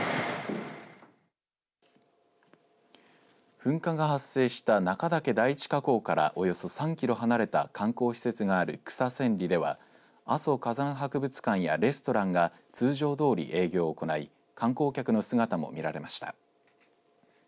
噴火が発生した中岳第一火口からおよそ３キロ離れた観光施設がある草千里では阿蘇火山博物館やレストランが通常どおり営業を行い観光客の姿も見られました。